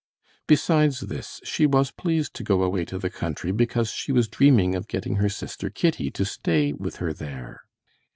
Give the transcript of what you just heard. Besides this, she was pleased to go away to the country because she was dreaming of getting her sister Kitty to stay with her there.